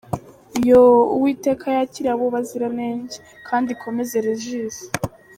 yooooo Uwiteka yakire abo baziranenge , knadi ikomeze Regis.